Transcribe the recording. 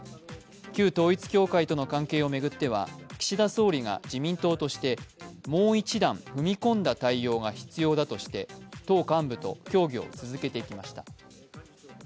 旧統一教会との関係を巡っては岸田総理が自民党としてもう一段踏み込んだ対応が必要だとして党幹部と協議を続けてきました。